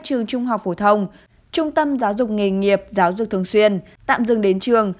trường trung học phổ thông trung tâm giáo dục nghề nghiệp giáo dục thường xuyên tạm dừng đến trường